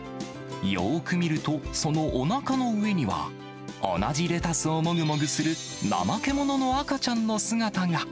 よく見ると、そのおなかの上には、同じレタスをもぐもぐするナマケモノの赤ちゃんの姿が。